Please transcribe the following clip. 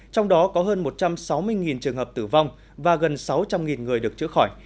trong đó có hơn một trăm sáu mươi trường hợp tử vong và gần sáu trăm linh người được chữa khỏi